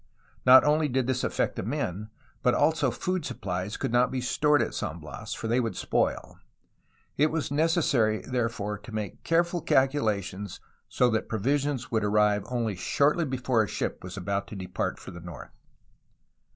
Not only did this affect the men, but also food supplies could not be stored at San Bias, for they would spoil. It was necessary therefore to make care BUCARELI'S ATTENTION TO LOCAL PROBLEMS 285 ful calculations so that provisions would arrive only shortly before a ship was about to depart for the north.